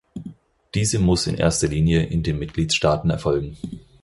Diese muss in erster Linie in den Mitgliedstaaten erfolgen.